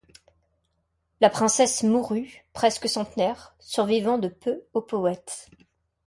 La princesse mourut presque centenaire, survivant de peu au poète.